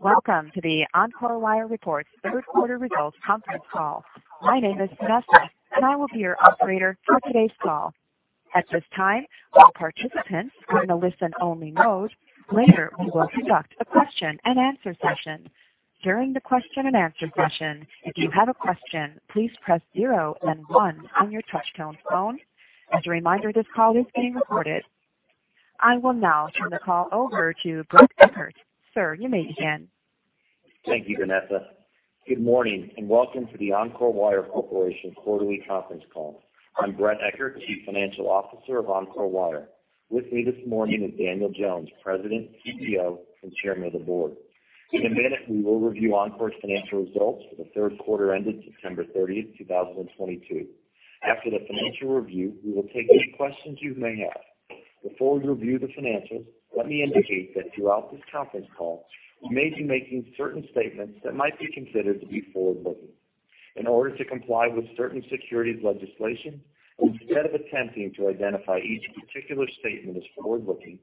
Welcome to the Encore Wire reports third quarter results conference call. My name is Vanessa, and I will be your operator for today's call. At this time, all participants are in a listen-only mode. Later, we will conduct a question-and-answer session. During the question-and-answer session, if you have a question, please press zero then one on your touchtone phone. As a reminder, this call is being recorded. I will now turn the call over to Bret Eckert. Sir, you may begin Thank you, Vanessa. Good morning, and welcome to the Encore Wire Corporation quarterly conference call. I'm Bret Eckert, CFO of Encore Wire. With me this morning is Daniel Jones, President, CEO, and Chairman of the Board. In a minute, we will review Encore's financial results for the Q3 ended September 30, 2022. After the financial review, we will take any questions you may have. Before we review the financials, let me indicate that throughout this conference call, we may be making certain statements that might be considered to be forward-looking. In order to comply with certain securities legislation, instead of attempting to identify each particular statement as forward-looking,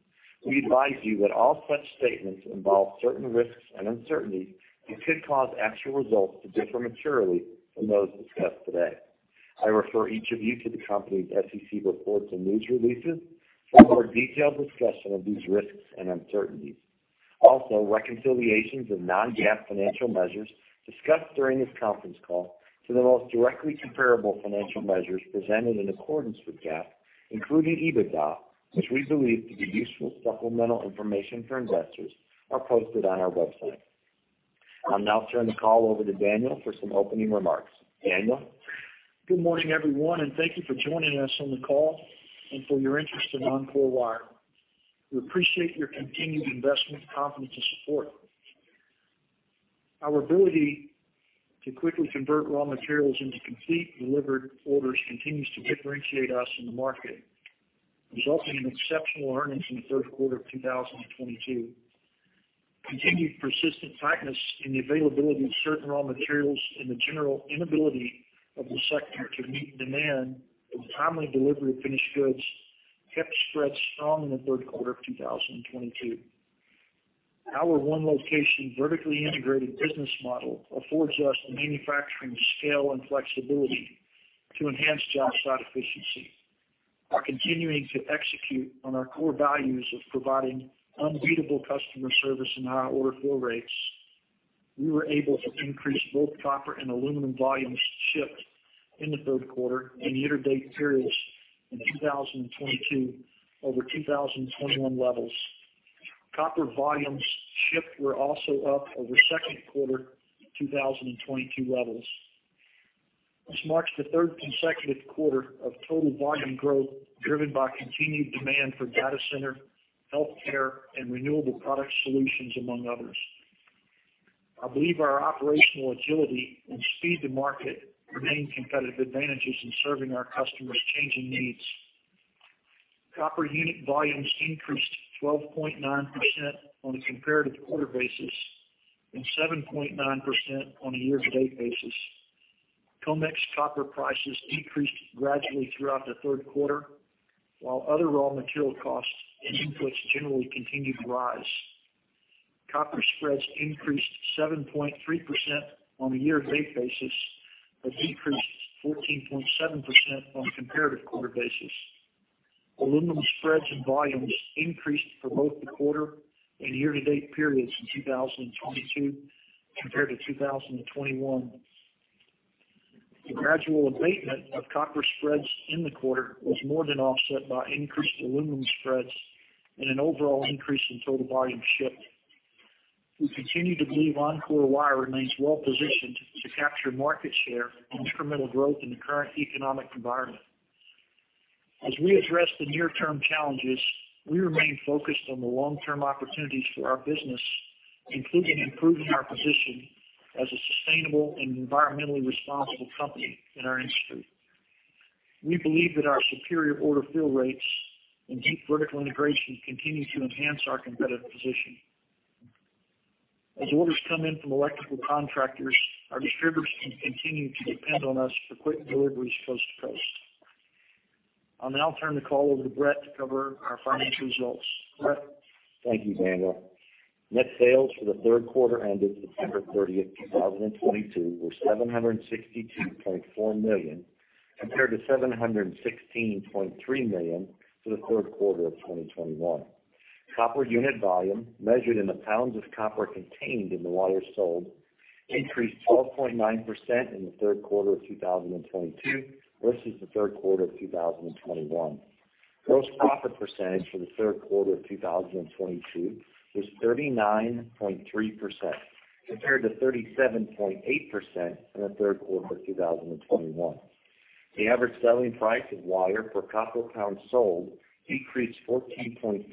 we advise you that all such statements involve certain risks and uncertainties that could cause actual results to differ materially from those discussed today. I refer each of you to the company's SEC reports and news releases for a more detailed discussion of these risks and uncertainties. Also, reconciliations of non-GAAP financial measures discussed during this conference call to the most directly comparable financial measures presented in accordance with GAAP, including EBITDA, which we believe to be useful supplemental information for investors, are posted on our website. I'll now turn the call over to Daniel for some opening remarks. Daniel. Good morning, everyone, and thank you for joining us on the call and for your interest in Encore Wire. We appreciate your continued investment, confidence, and support. Our ability to quickly convert raw materials into complete delivered orders continues to differentiate us in the market, resulting in exceptional earnings in the Q3 of 2022. Continued persistent tightness in the availability of certain raw materials and the general inability of the sector to meet demand and timely delivery of finished goods kept spreads strong in the Q3 of 2022. Our one location, vertically integrated business model affords us the manufacturing scale and flexibility to enhance job site efficiency. By continuing to execute on our core values of providing unbeatable customer service and high order fill rates, we were able to increase both copper and aluminum volumes shipped in the Q3 and year-to-date periods in 2022 over 2021 levels. Copper volumes shipped were also up over second quarter 2022 levels. This marks the third consecutive quarter of total volume growth, driven by continued demand for data center, healthcare, and renewable product solutions, among others. I believe our operational agility and speed to market remain competitive advantages in serving our customers' changing needs. Copper unit volumes increased 12.9% on a comparative quarter basis and 7.9% on a year-to-date basis. COMEX copper prices decreased gradually throughout the Q3, while other raw material costs and inputs generally continued to rise. Copper spreads increased 7.3% on a year-to-date basis, but decreased 14.7% on a comparative quarter basis. Aluminum spreads and volumes increased for both the quarter and year-to-date periods in 2022 compared to 2021. The gradual abatement of copper spreads in the quarter was more than offset by increased aluminum spreads and an overall increase in total volume shipped. We continue to believe Encore Wire remains well positioned to capture market share and incremental growth in the current economic environment. As we address the near-term challenges, we remain focused on the long-term opportunities for our business, including improving our position as a sustainable and environmentally responsible company in our industry. We believe that our superior order fill rates and deep vertical integration continue to enhance our competitive position. As orders come in from electrical contractors, our distributors can continue to depend on us for quick deliveries coast to coast. I'll now turn the call over to Bret to cover our financial results. Bret? Thank you, Daniel. Net sales for the Q3 ended September thirtieth, 2022 were $762.4 million, compared to $716.3 million for the Q3 of 2021. Copper unit volume, measured in pounds of copper contained in the wire sold, increased 12.9% in the Q3 of 2022 versus the Q3 of 2021. Gross profit percentage for the Q3 of 2022 was 39.3% compared to 37.8% in the third quarter of 2021. The average selling price of wire per copper pound sold decreased 14.4%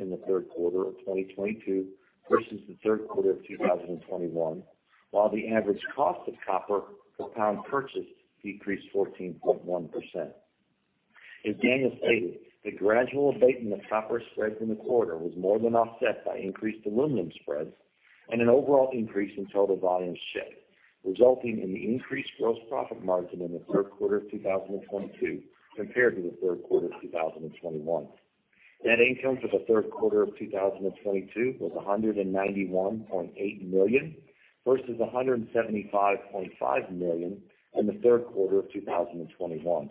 in the Q3 of 2022 versus the Q3 of 2021, while the average cost of copper per pound purchased decreased 14.1%. As Daniel stated, the gradual abatement of copper spreads in the quarter was more than offset by increased aluminum spreads and an overall increase in total volume shipped. Resulting in the increased gross profit margin in the Q3 of 2022 compared to the Q3 of 2021. Net income for the Q3 of 2022 was $191.8 million, versus $175.5 million in the Q3 of 2021.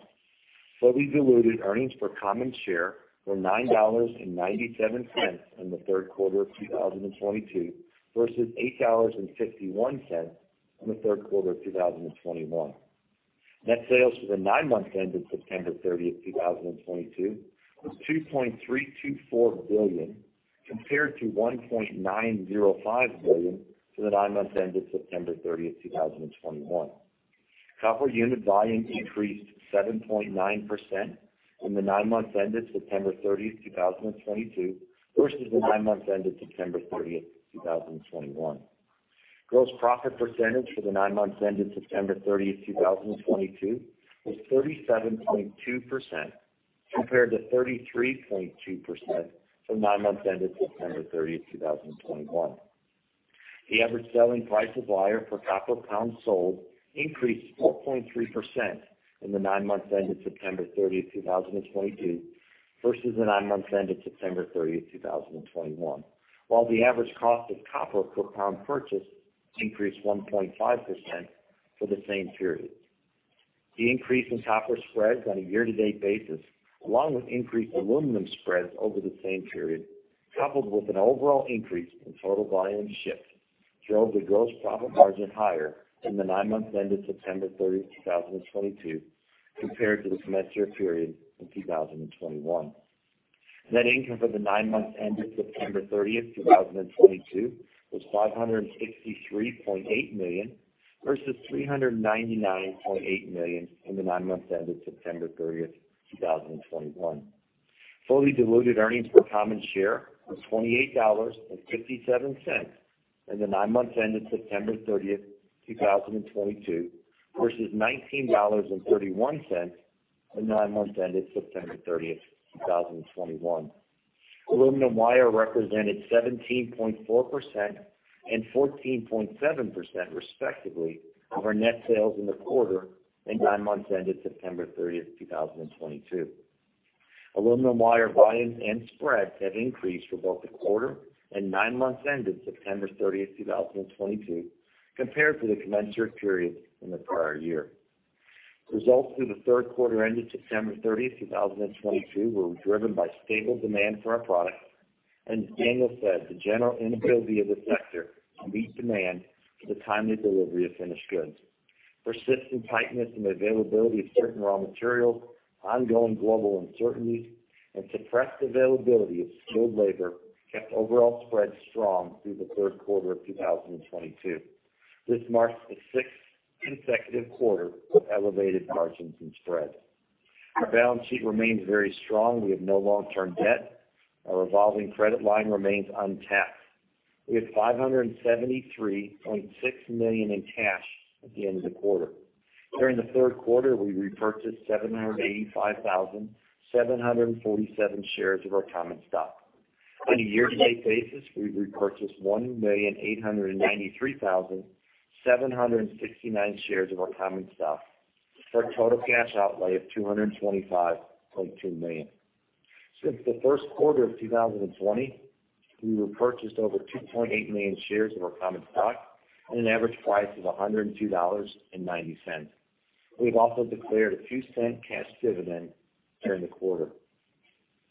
Fully diluted earnings per common share were $9.97 in the third quarter of 2022 versus $8.51 in the Q3 of 2021. Net sales for the nine months ended September 30, 2022 was $2.324 billion compared to $1.905 billion for the nine months ended September 30, 2021. Copper unit volume increased 7.9% in the nine months ended September 30, 2022 versus the nine months ended September 30, 2021. Gross profit percentage for the nine months ended September 30, 2022 was 37.2% compared to 33.2% for the nine months ended September 30, 2021. The average selling price of wire per copper pound sold increased 4.3% in the nine months ended September 30, 2022 versus the nine months ended September 30, 2021 while the average cost of copper per pound purchased increased 1.5% for the same period. The increase in copper spreads on a year-to-date basis, along with increased aluminum spreads over the same period, coupled with an overall increase in total volume shipped, drove the gross profit margin higher in the nine months ended September 30, 2022 compared to the same period in 2021. Net income for the nine months ended September 30, 2022 was $563.8 million versus $399.8 million in the nine months ended September 30, 2021. Fully diluted earnings per common share was $28.57 in the nine months ended September 30, 2022 versus $19.31 in the nine months ended September 30, 2021. Aluminum wire represented 17.4% and 14.7% respectively of our net sales in the quarter and nine months ended September 30, 2022. Aluminum wire volumes and spreads have increased for both the quarter and nine months ended September 30, 2022 compared to the commensurate period in the prior year. Results for the third quarter ended September 30, 2022 were driven by stable demand for our products. As Daniel said, the general inability of the sector to meet demand for the timely delivery of finished goods. Persistent tightness in the availability of certain raw materials, ongoing global uncertainties, and suppressed availability of skilled labor kept overall spreads strong through the Q3 of 2022. This marks the sixth consecutive quarter of elevated margins and spreads. Our balance sheet remains very strong. We have no long-term debt. Our revolving credit line remains untapped. We had $573.6 million in cash at the end of the quarter. During the Q3, we repurchased 785,747 shares of our common stock. On a year-to-date basis, we repurchased 1,893,769 shares of our common stock for a total cash outlay of $225.2 million. Since the Q1of 2020, we repurchased over 2.8 million shares of our common stock at an average price of $102.90. We have also declared a $0.02 cash dividend during the quarter.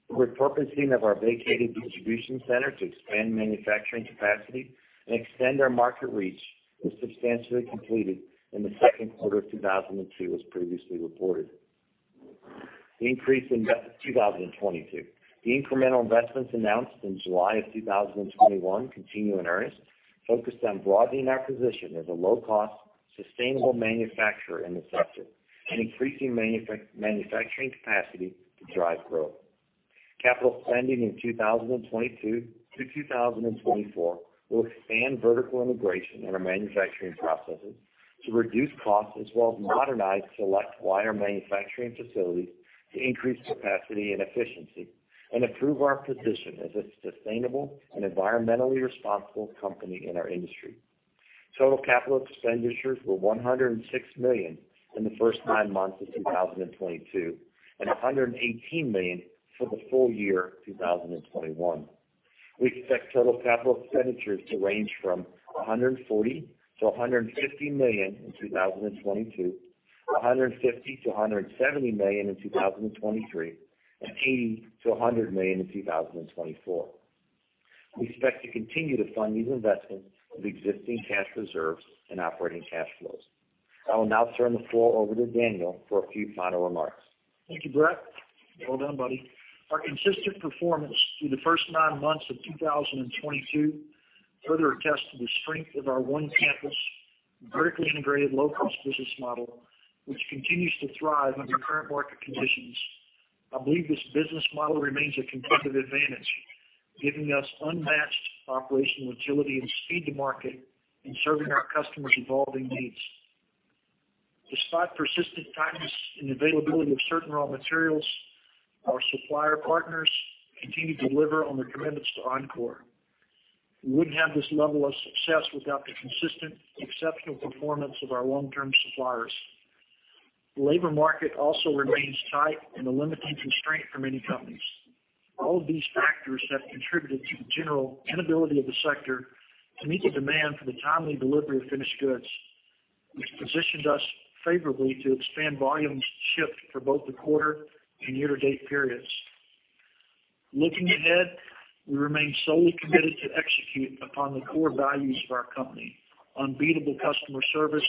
The repurposing of our vacated distribution center to expand manufacturing capacity and extend our market reach was substantially completed in the Q2 of 2022 as previously reported. The incremental investments announced in July of 2021 continue in earnest, focused on broadening our position as a low cost, sustainable manufacturer in the sector and increasing manufacturing capacity to drive growth. Capital spending in 2022 through 2024 will expand vertical integration in our manufacturing processes to reduce costs, as well as modernize select wire manufacturing facilities to increase capacity and efficiency and improve our position as a sustainable and environmentally responsible company in our industry. Total capital expenditures were $106 million in the first nine months of 2022, and $118 million for the full year of 2021. We expect total capital expenditures to range from $140-$150 million in 2022, $150-$170 million in 2023, and $80-$100 million in 2024. We expect to continue to fund these investments with existing cash reserves and operating cash flows. I will now turn the floor over to Daniel for a few final remarks. Thank you, Bret Eckert. Well done, buddy. Our consistent performance through the first nine months of 2022 further attests to the strength of our on-campus, vertically integrated low-cost business model, which continues to thrive under current market conditions. I believe this business model remains a competitive advantage, giving us unmatched operational agility and speed to market in serving our customers' evolving needs. Despite persistent tightness in availability of certain raw materials, our supplier partners continue to deliver on their commitments to Encore. We wouldn't have this level of success without the consistent exceptional performance of our long-term suppliers. The labor market also remains tight and a limiting constraint for many companies. All of these factors have contributed to the general inability of the sector to meet the demand for the timely delivery of finished goods, which positioned us favorably to expand volumes shipped for both the quarter and year-to-date periods. Looking ahead, we remain solely committed to execute upon the core values of our company, unbeatable customer service,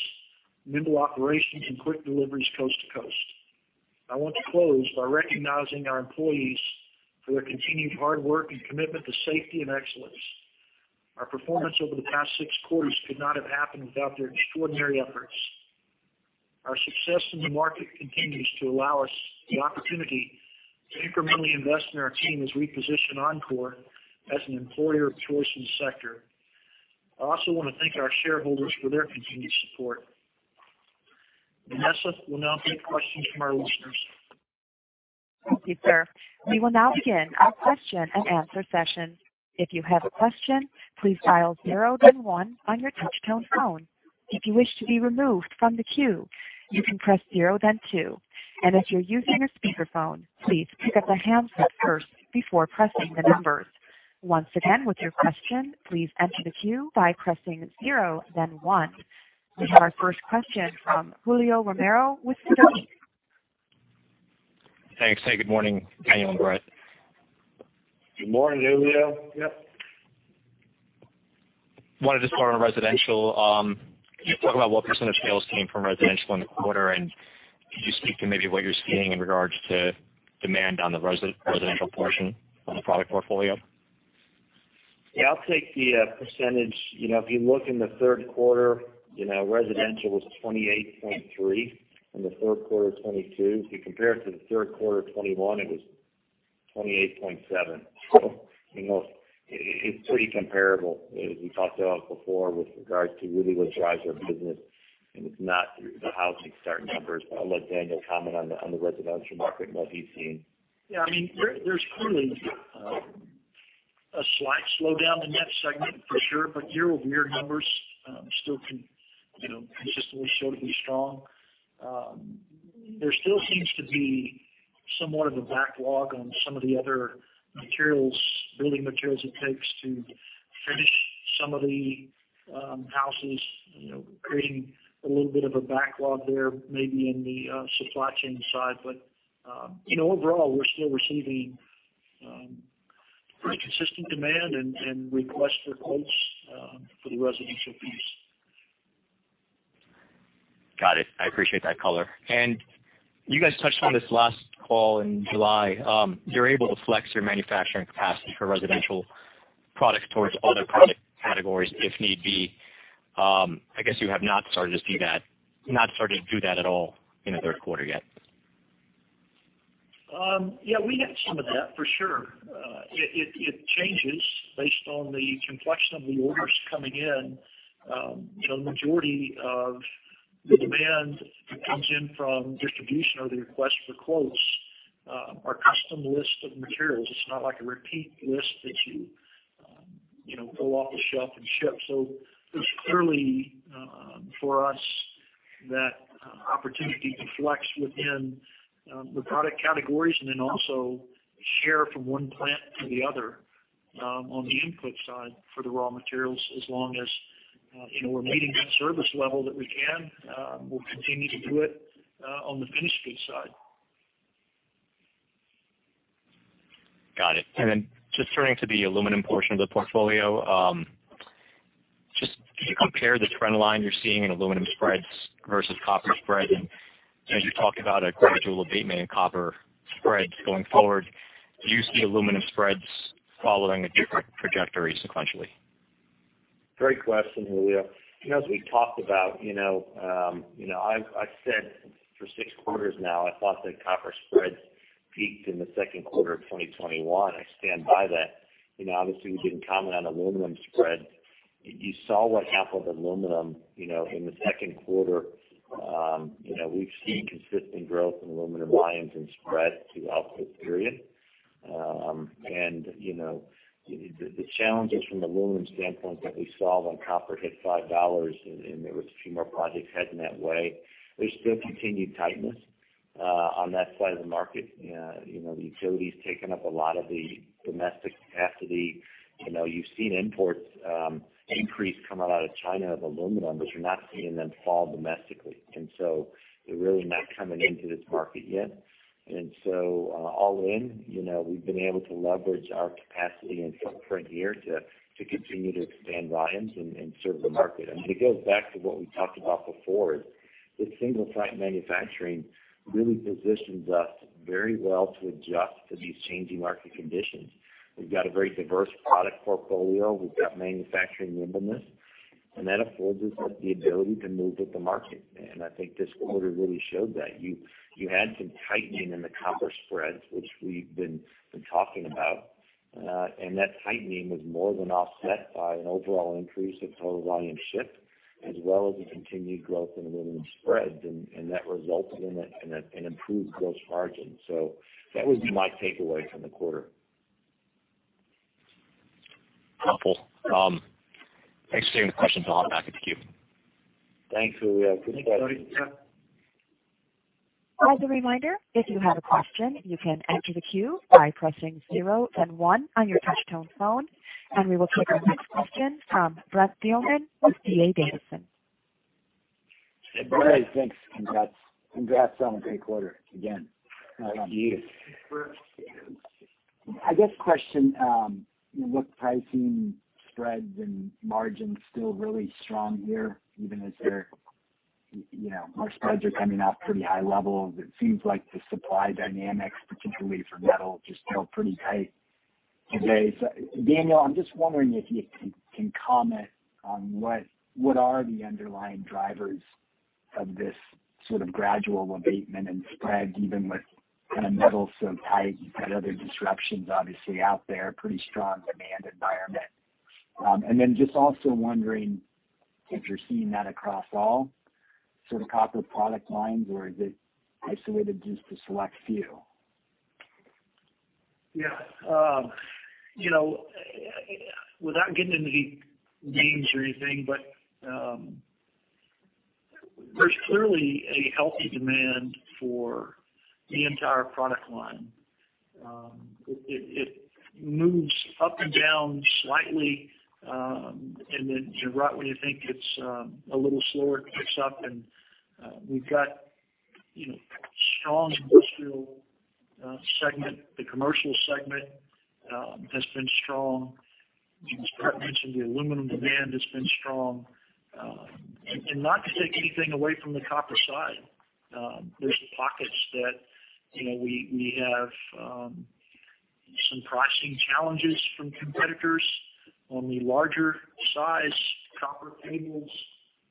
nimble operations, and quick deliveries coast to coast. I want to close by recognizing our employees for their continued hard work and commitment to safety and excellence. Our performance over the past six quarters could not have happened without their extraordinary efforts. Our success in the market continues to allow us the opportunity to incrementally invest in our team as we position Encore as an employer of choice in the sector. I also want to thank our shareholders for their continued support. Vanessa will now take questions from our listeners. Thank you, sir. We will now begin our question-and-answer session. If you have a question, please dial zero then one on your touchtone phone. If you wish to be removed from the queue, you can press zero then two. If you're using a speakerphone, please pick up the handset first before pressing the numbers. Once again, with your question, please enter the queue by pressing zero then one. We have our first question from Julio Romero with CIBC. Thanks. Hey, good morning, Daniel and Bret. Good morning, Julio. Yep. Wanted to start on residential. Can you talk about what percentage sales came from residential in the quarter? Could you speak to maybe what you're seeing in regards to demand on the residential portion on the product portfolio? Yeah, I'll take the percentage. You know, if you look in the Q3, you know, residential was 28.3% in the third quarter of 2022. If you compare it to the third quarter of 2021, it was 28.7%. You know, it's pretty comparable. As we talked about before with regards to really what drives our business, and it's not the housing start numbers. I'll let Daniel comment on the residential market and what he's seeing. Yeah, I mean, there's clearly a slight slowdown in that segment for sure, but year-over-year numbers still can, you know, consistently show to be strong. There still seems to be somewhat of a backlog on some of the other materials, building materials it takes to finish some of the houses, you know, creating a little bit of a backlog there maybe in the supply chain side. You know, overall, we're still receiving pretty consistent demand and requests for quotes for the residential piece. Got it. I appreciate that color. You guys touched on this last call in July. You're able to flex your manufacturing capacity for residential products towards other product categories if need be. I guess you have not started to do that at all in the Q3 yet. Yeah, we have some of that for sure. It changes based on the complexion of the orders coming in. You know, the majority of the demand that comes in from distribution or the request for quotes are custom lists of materials. It's not like a repeat list that you you know pull off the shelf and ship. There's clearly for us that opportunity to flex within the product categories and then also share from one plant to the other on the input side for the raw materials as long as you know we're meeting that service level that we can. We'll continue to do it on the finished goods side. Got it. Just turning to the aluminum portion of the portfolio. Just can you compare the trend line you're seeing in aluminum spreads versus copper spreads? As you talk about a gradual abatement in copper spreads going forward, do you see aluminum spreads following a different trajectory sequentially? Great question, Julio. You know, as we talked about, you know, you know, I've said for six quarters now, I thought that copper spreads peaked in the second quarter of 2021. I stand by that. You know, obviously, we didn't comment on aluminum spreads. You saw what happened with aluminum, you know, in the second quarter. You know, we've seen consistent growth in aluminum volumes and spreads throughout this period. You know, the challenges from aluminum standpoint that we saw when copper hit $5, and there was a few more projects heading that way. There's still continued tightness on that side of the market. You know, the utility's taken up a lot of the domestic capacity. You know, you've seen imports increase coming out of China of aluminum, but you're not seeing them fall domestically. They're really not coming into this market yet. All in, you know, we've been able to leverage our capacity in footprint here to continue to expand volumes and serve the market. It goes back to what we talked about before is this single site manufacturing really positions us very well to adjust to these changing market conditions. We've got a very diverse product portfolio. We've got manufacturing nimbleness, and that affords us the ability to move with the market. I think this quarter really showed that. You had some tightening in the copper spreads, which we've been talking about. That tightening was more than offset by an overall increase of total volume shipped, as well as the continued growth in aluminum spreads. That resulted in an improved gross margin. That would be my takeaway from the quarter. Helpful. Thanks for taking the question. I'll hop back in the queue. Thanks, Louis. As a reminder, if you have a question, you can enter the queue by pressing zero then one on your touch-tone phone. We will take our next question from Brent Thielman with D.A. Davidson. Hey, Brent. Thanks. Congrats. Congrats on a great quarter again. Thank you. I guess question with pricing spreads and margins still really strong here, even as the spreads are coming off pretty high levels, it seems like the supply dynamics, particularly for metal, just feel pretty tight today. Daniel, I'm just wondering if you can comment on what are the underlying drivers of this sort of gradual abatement in spreads, even with kind of metal so tight. You've got other disruptions obviously out there, pretty strong demand environment. Just also wondering if you're seeing that across all sort of copper product lines, or is it isolated just to select few? Yeah. You know, without getting into any names or anything, but there's clearly a healthy demand for the entire product line. It moves up and down slightly, and then right when you think it's a little slower, it picks up. We've got, you know, strong industrial segment. The commercial segment has been strong. As Bret mentioned, the aluminum demand has been strong. Not to take anything away from the copper side. There's pockets that, you know, we have some pricing challenges from competitors on the larger size copper cables.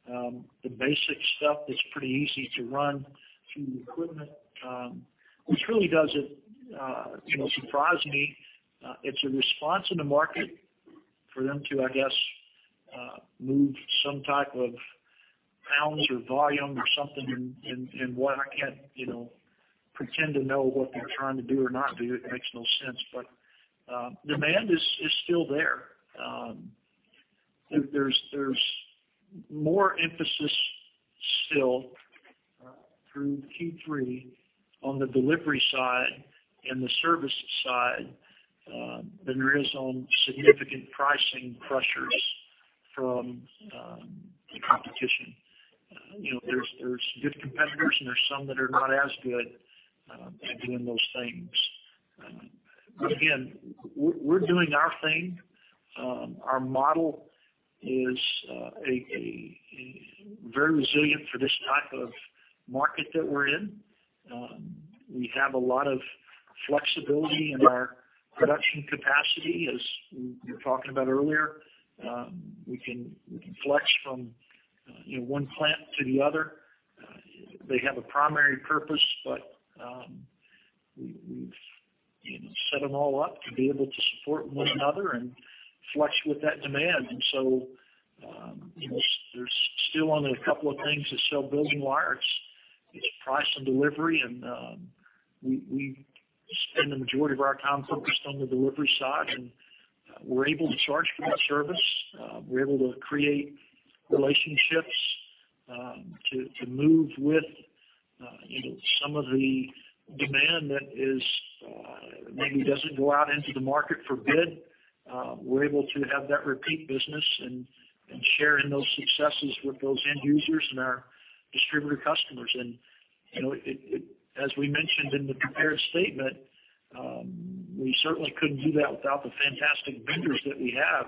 The basic stuff that's pretty easy to run through the equipment, which really doesn't, you know, surprise me. It's a response in the market for them to, I guess, move some type of pounds or volume or something. While I can't, you know, pretend to know what they're trying to do or not do, it makes no sense. Demand is still there. There's more emphasis still through Q3 on the delivery side and the service side than there is on significant pricing pressures from the competition. You know, there's good competitors, and there's some that are not as good at doing those things. Again, we're doing our thing. Our model is a very resilient for this type of market that we're in. We have a lot of flexibility in our production capacity, as we were talking about earlier. We can flex from, you know, one plant to the other. They have a primary purpose, but we've, you know, set them all up to be able to support one another and flex with that demand. You know, there's still only a couple of things to sell building wires. It's price and delivery, and we spend the majority of our time focused on the delivery side, and we're able to charge for that service. We're able to create relationships to move with, you know, some of the demand that maybe doesn't go out into the market for bid. We're able to have that repeat business and share in those successes with those end users and our distributor customers. You know, it. As we mentioned in the prepared statement, we certainly couldn't do that without the fantastic vendors that we have.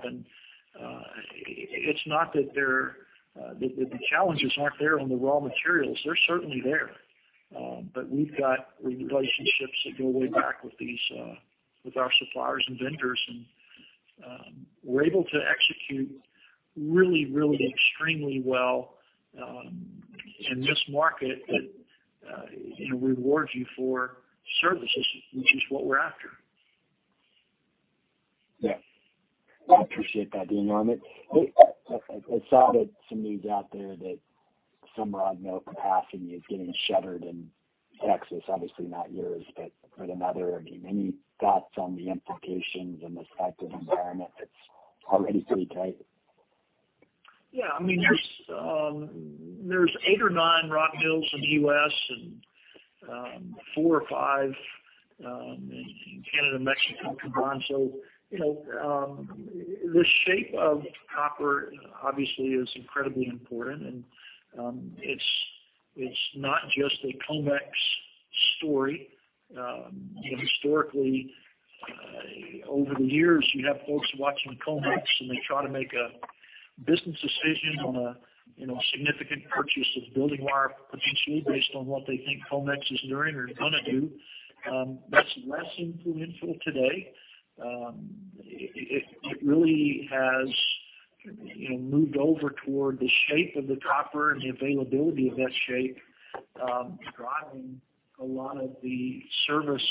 It's not that they're that the challenges aren't there on the raw materials. They're certainly there. We've got relationships that go way back with our suppliers and vendors. We're able to execute really extremely well in this market that, you know, rewards you for services, which is what we're after. Yeah. I appreciate that, Daniel. I saw that some news out there that some rod mill capacity is getting shuttered in Texas, obviously not yours, but another. Any thoughts on the implications in this type of environment that's already pretty tight? Yeah. I mean, there's eight or nine rod mills in the U.S. and four or five in Canada and Mexico combined. You know, the shape of copper obviously is incredibly important. It's not just a COMEX story. You know, historically, over the years, you'd have folks watching COMEX, and they try to make a business decision on a significant purchase of building wire potentially based on what they think COMEX is doing or gonna do. That's less influential today. It really has moved over toward the shape of the copper and the availability of that shape, driving a lot of the service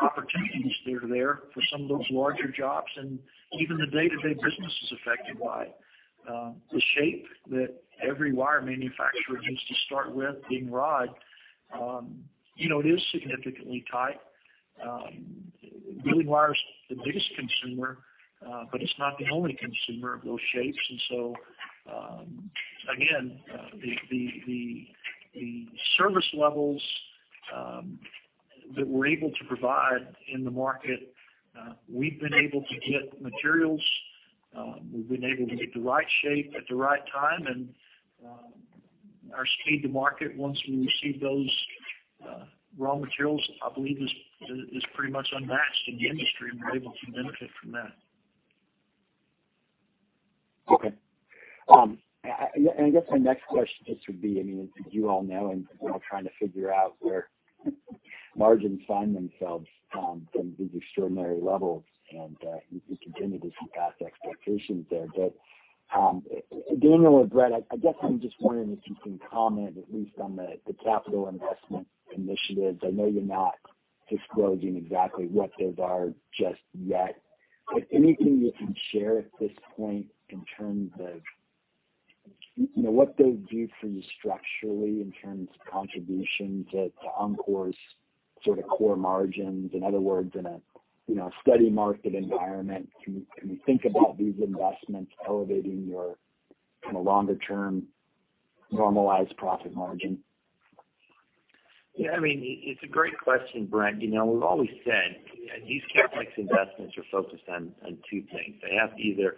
opportunities that are there for some of those larger jobs. Even the day-to-day business is affected by the shape that every wire manufacturer needs to start with being rod. You know, it is significantly tight. Building wire is the biggest consumer, but it's not the only consumer of those shapes. Again, the service levels that we're able to provide in the market, we've been able to get materials, we've been able to get the right shape at the right time. Our speed to market once we receive those raw materials, I believe is pretty much unmatched in the industry, and we're able to benefit from that. Okay. I guess my next question just would be, I mean, you all know, and we're all trying to figure out where margins find themselves from these extraordinary levels, and you continue to surpass expectations there. Daniel or Bret, I guess I'm just wondering if you can comment at least on the capital investment initiatives. I know you're not disclosing exactly what those are just yet. Anything you can share at this point in terms of, you know, what they'll do for you structurally in terms of contributions to Encore's sort of core margins? In other words, in a you know steady market environment, can you think about these investments elevating your kind of longer term normalized profit margin? Yeah. I mean, it's a great question, Brent. You know, we've always said these CapEx investments are focused on two things. They have to either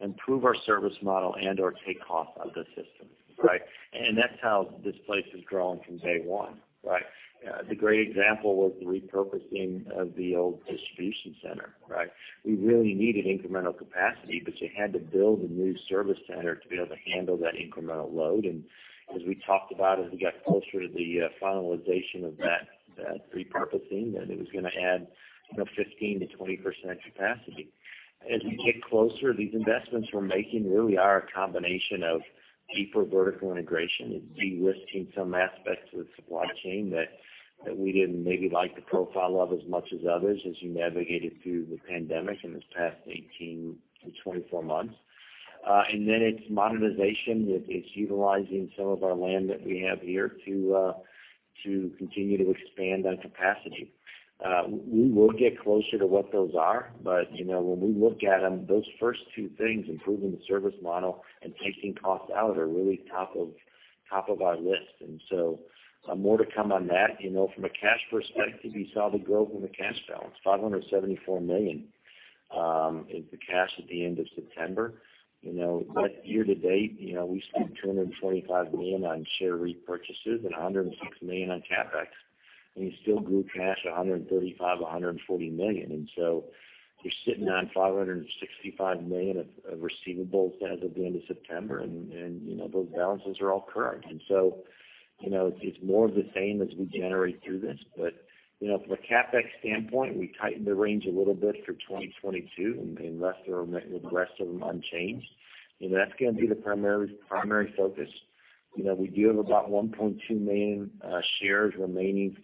improve our service model and/or take cost out of the system, right? That's how this place has grown from day one, right? The great example was the repurposing of the old distribution center, right? We really needed incremental capacity, but you had to build a new service center to be able to handle that incremental load. As we talked about, as we got closer to the finalization of that repurposing, that it was gonna add, you know, 15%-20% capacity. As we get closer, these investments we're making really are a combination of deeper vertical integration and de-risking some aspects of the supply chain that we didn't maybe like the profile of as much as others as you navigated through the pandemic in this past 18-24 months. Then it's monetization. It's utilizing some of our land that we have here to continue to expand on capacity. We will get closer to what those are. You know, when we look at them, those first two things, improving the service model and taking costs out, are really top of our list. More to come on that. You know, from a cash perspective, you saw the growth in the cash balance, $574 million is the cash at the end of September. You know, year to date, you know, we spent $225 million on share repurchases and $106 million on CapEx, and you still grew cash $135-$140 million. You're sitting on $565 million of receivables as of the end of September. You know, those balances are all current. You know, it's more of the same as we generate through this. You know, from a CapEx standpoint, we tightened the range a little bit for 2022 and left the rest of them unchanged. You know, that's gonna be the primary focus. You know, we do have about 1.2 million shares remaining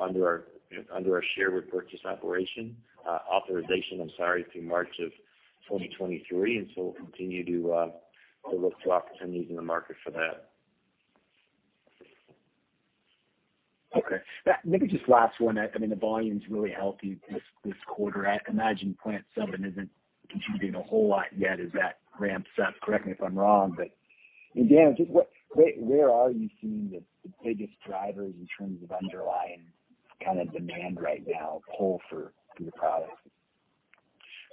under our share repurchase authorization, I'm sorry, through March of 2023. We'll continue to look for opportunities in the market for that. Okay. Maybe just last one. I mean, the volume's really healthy this quarter. I can imagine plant seven isn't contributing a whole lot yet as that ramps up. Correct me if I'm wrong, but again, just where are you seeing the biggest drivers in terms of underlying kind of demand right now, pull for your products?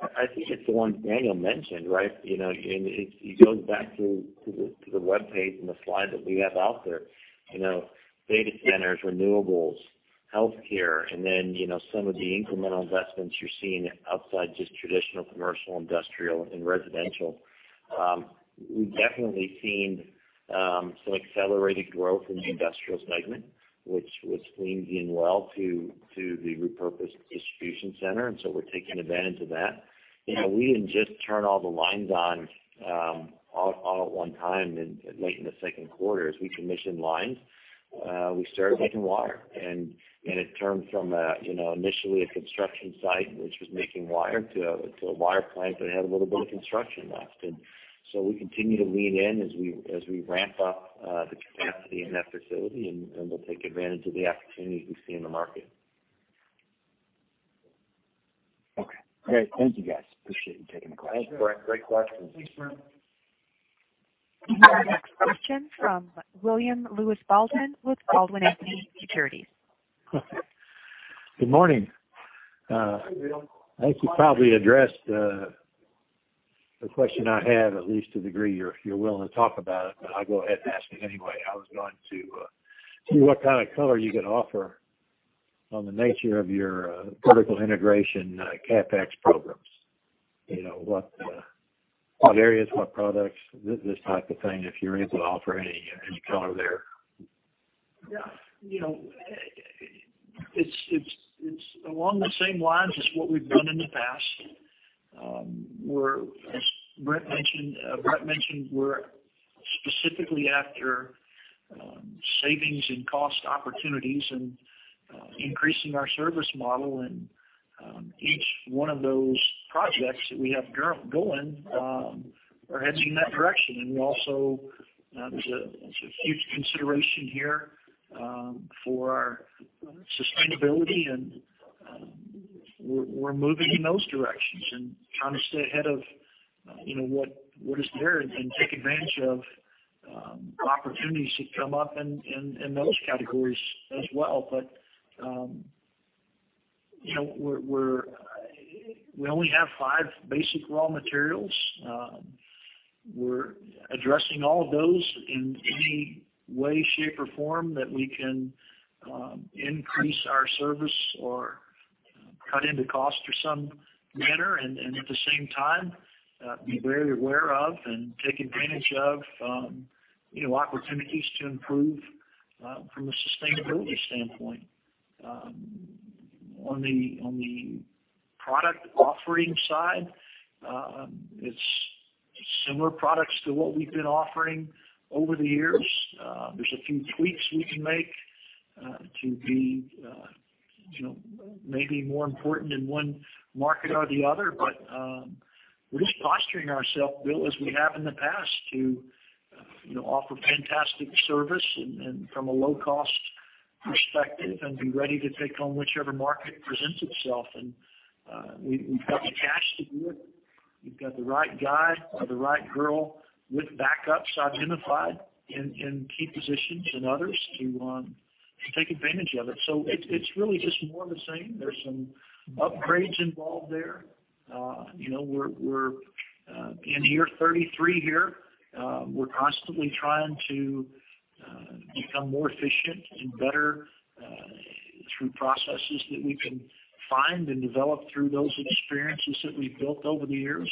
I think it's the one Daniel mentioned, right? You know, and it goes back to the web page and the slide that we have out there. You know, data centers, renewables, healthcare, and then, you know, some of the incremental investments you're seeing outside just traditional commercial, industrial, and residential. We've definitely seen some accelerated growth in the industrial segment, which aligns well to the repurposed distribution center, and so we're taking advantage of that. You know, we didn't just turn all the lines on, all at one time. Late in the second quarter, as we commissioned lines, we started making wire. It turned from a, you know, initially a construction site which was making wire to a wire plant that had a little bit of construction left. We continue to lean in as we ramp up the capacity in that facility, and we'll take advantage of the opportunities we see in the market. Okay. Great. Thank you, guys. Appreciate you taking the questions. Thanks, Brent. Great questions. Thanks, Brent. Our next question from William Lewis Bolton with Bolton & Company. Good morning. Hey, Bill. I think you probably addressed the question I have, at least to the degree you're willing to talk about it, but I'll go ahead and ask it anyway. I was going to see what kind of color you could offer on the nature of your vertical integration, CapEx programs. You know, what areas, what products, this type of thing, if you're able to offer any color there. Yeah. You know, it's along the same lines as what we've done in the past. As Brent mentioned, we're specifically after cost savings opportunities and increasing our service model. Each one of those projects that we have going are heading in that direction. We also, you know, there's a huge consideration here for our sustainability and we're moving in those directions and trying to stay ahead of, you know, what is there and take advantage of opportunities that come up in those categories as well. You know, we only have five basic raw materials. We're addressing all of those in any way, shape, or form that we can increase our service or cut costs in some manner. At the same time, be very aware of and take advantage of, you know, opportunities to improve from a sustainability standpoint. On the product offering side, it's similar products to what we've been offering over the years. There's a few tweaks we can make to be, you know, maybe more important in one market or the other. We're just posturing ourselves, Bill, as we have in the past to, you know, offer fantastic service and from a low-cost perspective and be ready to take on whichever market presents itself. We've got the cash to do it. We've got the right guy or the right girl with backups identified in key positions and others to take advantage of it. It's really just more of the same. There's some upgrades involved there. You know, we're in year 33 here. We're constantly trying to become more efficient and better through processes that we can find and develop through those experiences that we've built over the years.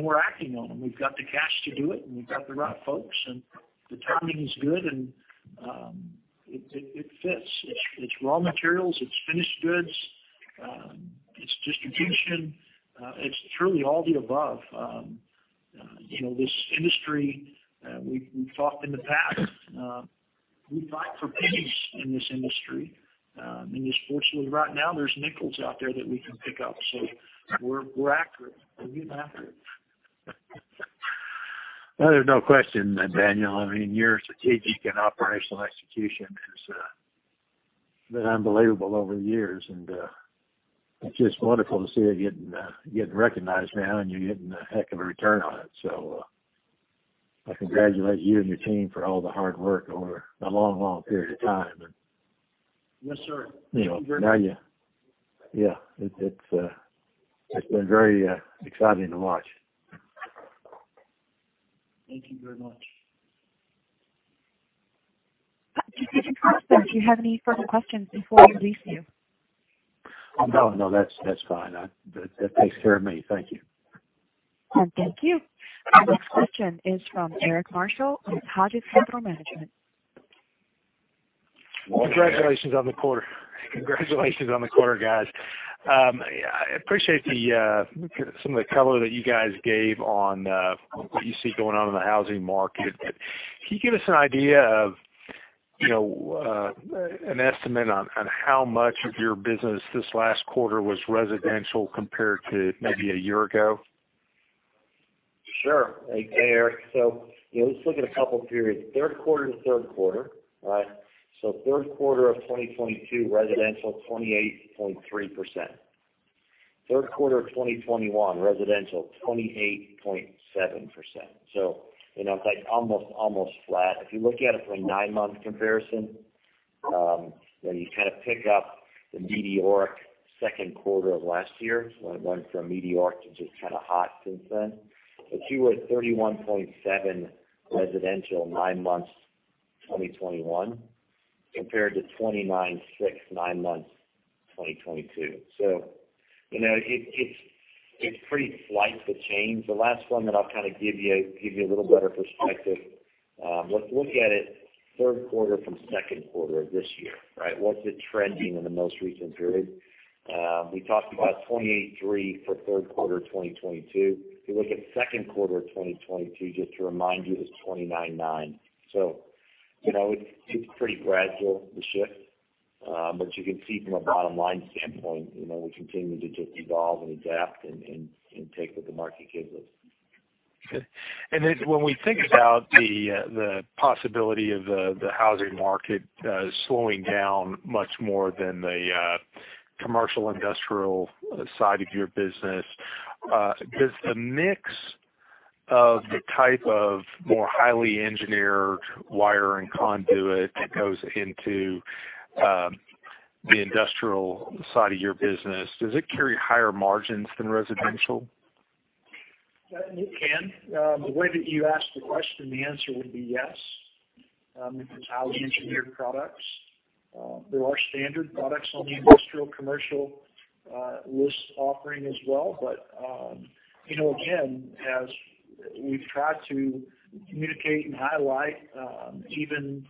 We're acting on them. We've got the cash to do it, and we've got the right folks, and the timing is good. It fits. It's raw materials, it's finished goods, it's distribution. It's truly all the above. You know, this industry, we've talked in the past, we fight for pennies in this industry. Just fortunately right now, there's nickels out there that we can pick up. We're after it. We're getting after it. Well, there's no question, Daniel. I mean, your strategic and operational execution has been unbelievable over the years, and it's just wonderful to see it getting recognized now and you're getting a heck of a return on it. I congratulate you and your team for all the hard work over a long, long period of time. Yes, sir. You know, yeah, it's been very exciting to watch. Thank you very much. Operator, do you have any further questions before we release you? No, that's fine. That takes care of me. Thank you. Well, thank you. Our next question is from Eric Marshall with Hodges Capital Management. Morning, Eric. Congratulations on the quarter. Congratulations on the quarter, guys. Yeah, I appreciate the some of the color that you guys gave on what you see going on in the housing market. Can you give us an idea of, you know, an estimate on how much of your business this last quarter was residential compared to maybe a year ago? Sure. Hey, Eric. You know, let's look at a couple of periods. Third quarter to third quarter, all right? Third quarter of 2022, residential, 28.3%. Third quarter of 2021, residential, 28.7%. You know, it's like almost flat. If you look at it from a nine-month comparison, then you kind of pick up the mediocre second quarter of last year. It went from mediocre to just kind of hot since then. You were at 31.7 residential nine months, 2021, compared to 29.6, nine months, 2022. You know, it's pretty slight, the change. The last one that I'll kind of give you a little better perspective, let's look at it Q3 from Q2 of this year, right? What's it trending in the most recent period? We talked about 28.3% for Q3 of 2022. If you look at second quarter of 2022, just to remind you, it was 29.9%. You know, it's pretty gradual, the shift. But you can see from a bottom-line standpoint, you know, we continue to just evolve and adapt and take what the market gives us. Okay. When we think about the possibility of the housing market slowing down much more than the commercial industrial side of your business, does the mix of the type of more highly engineered wire and conduit that goes into the industrial side of your business carry higher margins than residential? It can. The way that you asked the question, the answer would be yes, for highly engineered products. There are standard products on the industrial, commercial listed offering as well. You know, again, as we've tried to communicate and highlight, even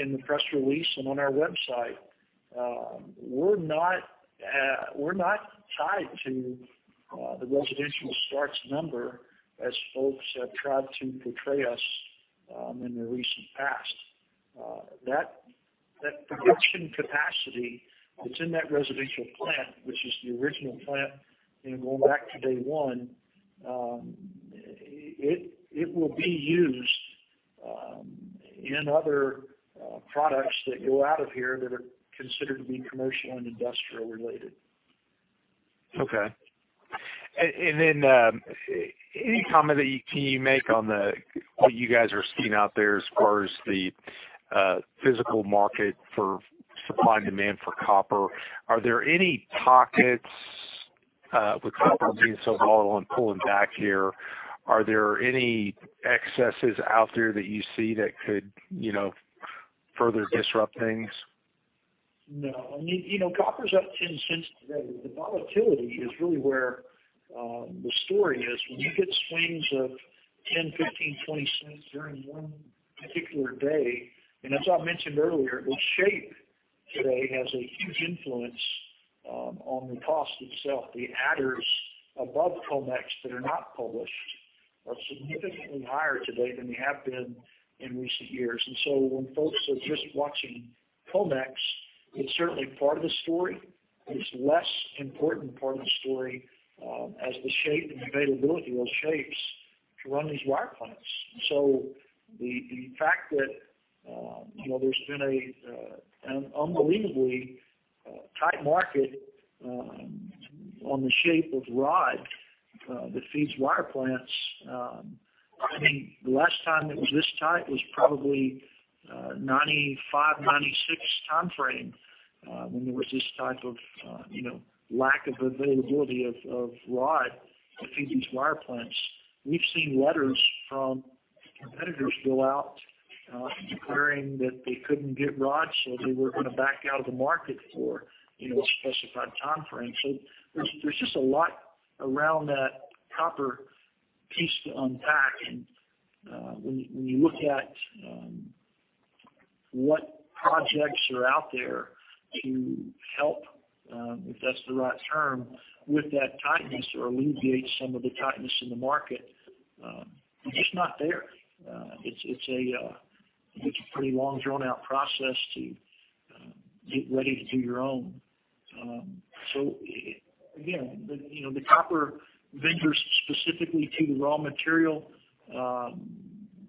in the press release and on our website, we're not tied to the residential starts number as folks have tried to portray us, in the recent past. That production capacity that's in that residential plant, which is the original plant, and going back to day one, it will be used in other products that go out of here that are considered to be commercial and industrial related. Okay. Any comment that you can make on what you guys are seeing out there as far as the physical market for supply and demand for copper? Are there any pockets with copper being so volatile and pulling back here, are there any excesses out there that you see that could, you know, further disrupt things? No. I mean, you know, copper's up $0.10 today. The volatility is really where the story is. When you get swings of $0.10, $0.15, $0.20 during one particular day, and as I mentioned earlier, the scrap today has a huge influence on the cost itself. The adders above COMEX that are not published are significantly higher today than they have been in recent years. When folks are just watching COMEX, it's certainly part of the story. It's less important part of the story as the scrap and availability of scrap to run these wire plants. The fact that, you know, there's been an unbelievably tight market on the scrap rod that feeds wire plants. I mean, the last time it was this tight was probably 1995, 1996 timeframe, when there was this type of, you know, lack of availability of rod to feed these wire plants. We've seen letters from competitors go out, declaring that they couldn't get rod, so they were gonna back out of the market for, you know, a specified time frame. There's just a lot around that copper piece to unpack. When you look at what projects are out there to help, if that's the right term, with that tightness or alleviate some of the tightness in the market, it's just not there. It's a pretty long, drawn out process to get ready to do your own. Again, you know, the copper vendors specifically to the raw material,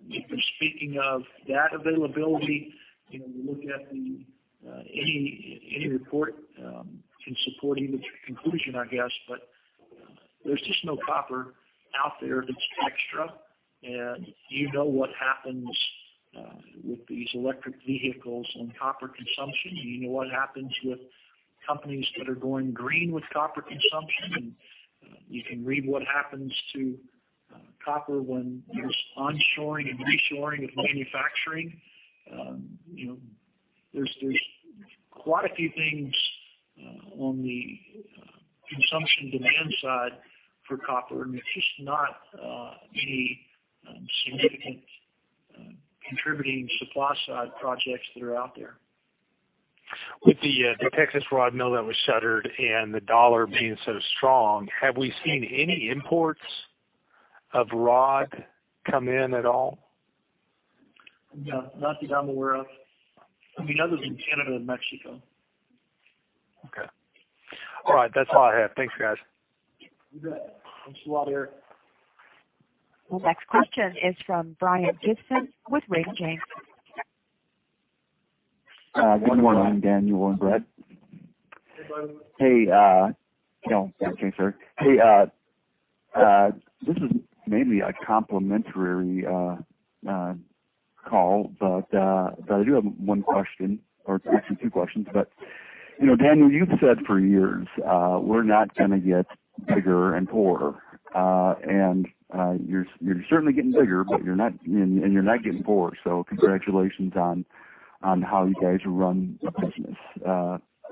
if you're speaking of that availability, you know, you look at any report can support either conclusion, I guess. There's just no copper out there that's extra. You know what happens with these electric vehicles and copper consumption. You know what happens with companies that are going green with copper consumption. You can read what happens to copper when there's onshoring and reshoring of manufacturing. You know, there's quite a few things on the consumption demand side for copper, and there's just not any significant contributing supply side projects that are out there. With the Texas rod mill that was shuttered and the dollar being so strong, have we seen any imports of rod come in at all? No, not that I'm aware of. I mean, other than Canada and Mexico. Okay. All right. That's all I have. Thanks, guys. You bet. Thanks a lot, Eric. The next question is from Brian Gibson with RGC. Good morning, Daniel and Bret. Hey, Brian. Hey, no, RGC, sorry. Hey, this is mainly a complimentary call, but I do have one question, or actually two questions. You know, Daniel, you've said for years, we're not gonna get bigger and poorer. You're certainly getting bigger, but you're not getting poorer, so congratulations on how you guys run the business.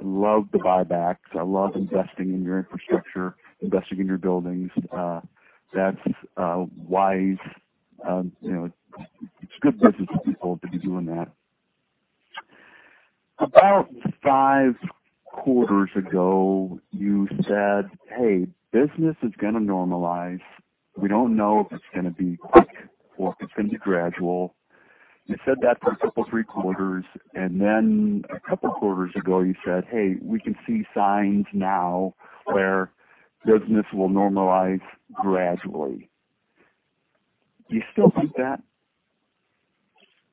Love the buybacks. I love investing in your infrastructure, investing in your buildings. That's wise. You know, it's good business people to be doing that. About 5Qs ago you said, "Hey, business is gonna normalize. We don't know if it's gonna be quick or if it's gonna be gradual. You said that for a couple, 3Qs, and then a couple quarters ago you said, "Hey, we can see signs now where business will normalize gradually." Do you still think that?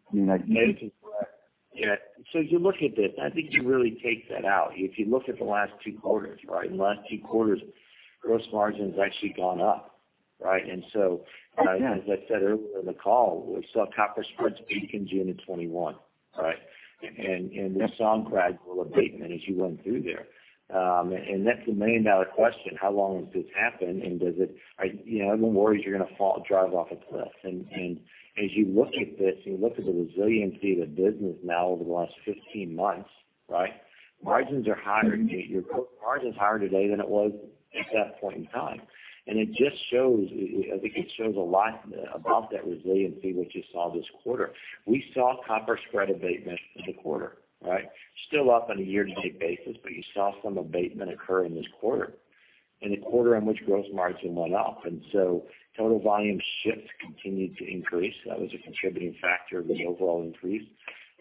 I mean, like. That is correct. Yeah. As you look at this, I think you really take that out. If you look at the last two quarters, right? In the last two quarters, gross margin's actually gone up. Right? As I said earlier in the call, we saw copper spreads peak in June of 2021, right? We saw gradual abatement as you went through there. That's the million dollar question, how long does this happen? And does it. You know, everyone worries you're gonna fall, drive off a cliff. As you look at this, you look at the resiliency of the business now over the last 15 months, right? Margins are higher. Your margin's higher today than it was at that point in time. It just shows, I think it shows a lot about that resiliency, what you saw this quarter. We saw copper spread abatement in the quarter, right? Still up on a year-to-date basis, but you saw some abatement occur in this quarter, in the quarter in which gross margin went up. Total volume shifts continued to increase. That was a contributing factor of an overall increase,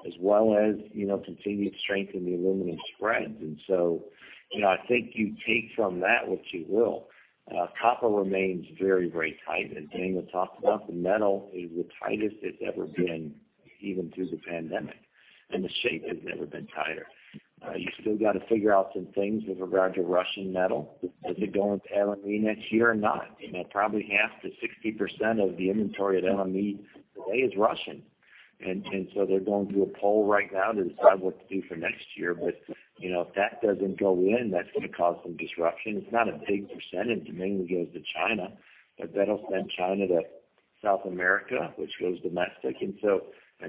as well as, you know, continued strength in the aluminum spreads. You know, I think you take from that what you will. Copper remains very, very tight. Daniel talked about the metal is the tightest it's ever been, even through the pandemic, and the shape has never been tighter. You still got to figure out some things with regard to Russian metal. Does it go into LME next year or not? You know, probably 50%-60% of the inventory at LME today is Russian. They're going through a poll right now to decide what to do for next year. You know, if that doesn't go in, that's gonna cause some disruption. It's not a big percentage. Mainly goes to China, but then it'll send China to South America, which goes domestic.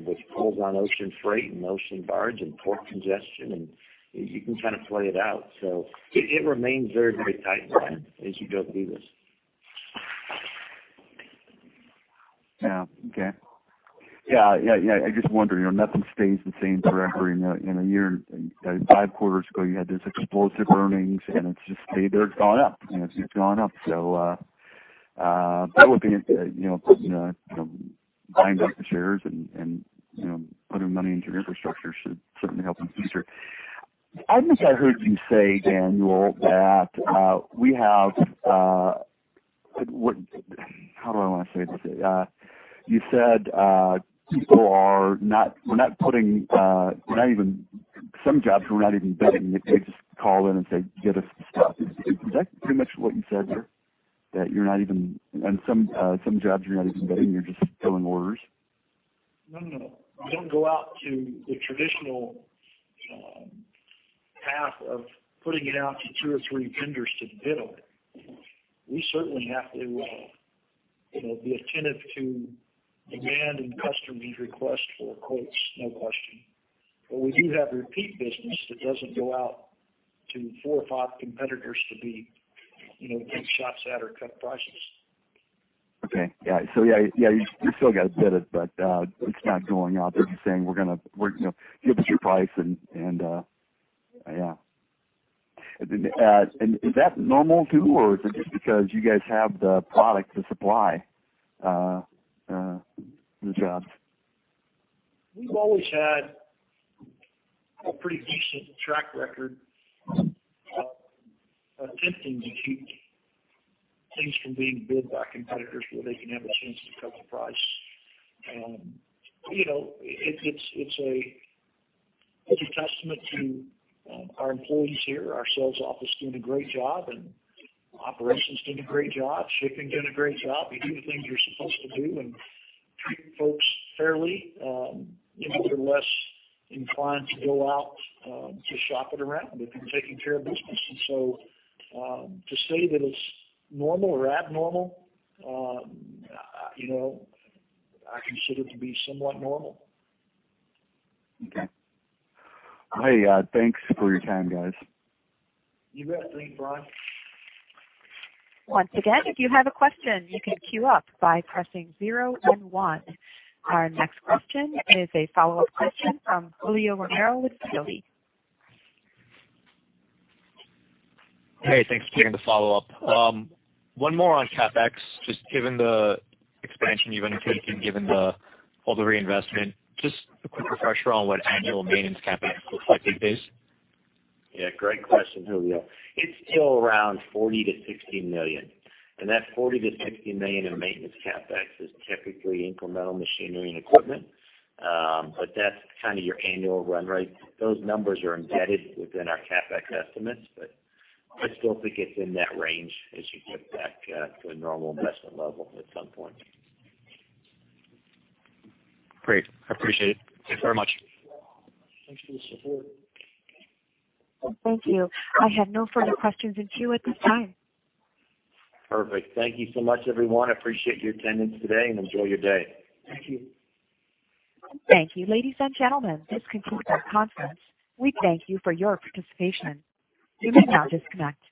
Which pulls on ocean freight and ocean barge and port congestion, and you can kind of play it out. It remains very, very tight, Brian, as you go through this. Yeah. Okay. I just wonder, you know, nothing stays the same forever. In a year, five quarters ago, you had this explosive earnings, and it's just stayed there. It's gone up. It's just gone up. That would be, you know, buying back the shares and, you know, putting money into infrastructure should certainly help in the future. I think I heard you say, Daniel, that you said we're not putting, we're not even bidding. Some jobs we're not even bidding. They just call in and say, "Get us the stuff." Is that pretty much what you said there? That you're not even bidding. Some jobs you're not even bidding, you're just filling orders. No, no. We don't go out to the traditional path of putting it out to two or three vendors to bid on it. We certainly have to, you know, be attentive to demand and customers' request for quotes, no question. But we do have repeat business that doesn't go out to four or five competitors to be, you know, take shots at or cut prices. Okay. Yeah. Yeah, you still got to bid it, but it's not going out. They're just saying, "We're gonna, you know, give us your price," and yeah. Is that normal, too, or is it just because you guys have the product to supply the jobs? We've always had a pretty decent track record of attempting to keep things from being bid by competitors where they can have a chance to cut the price. You know, it's a testament to our employees here, our sales office doing a great job, and operations doing a great job, shipping doing a great job. You do the things you're supposed to do and treat folks fairly, you know, they're less inclined to go out to shop it around if you're taking care of business. To say that it's normal or abnormal, you know, I consider it to be somewhat normal. Okay. Hey, thanks for your time, guys. You bet. Thanks, Brian. Once again, if you have a question, you can queue up by pressing zero and one. Our next question is a follow-up question from Julio Romero with CIBC. Hey, thanks for taking the follow-up. One more on CapEx, just given the expansion you've undertaken, all the reinvestment, just a quick refresher on what annual maintenance CapEx looks like these days? Yeah, great question, Julio. It's still around $40-$60 million. That $40-$60 million in maintenance CapEx is typically incremental machinery and equipment. That's kind of your annual run rate. Those numbers are embedded within our CapEx estimates, but I still think it's in that range as you get back to a normal investment level at some point. Great. I appreciate it. Thanks very much. Thanks for the support. Thank you. I have no further questions in queue at this time. Perfect. Thank you so much, everyone. Appreciate your attendance today, and enjoy your day. Thank you. Thank you. Ladies and gentlemen, this concludes our conference. We thank you for your participation. You may now disconnect.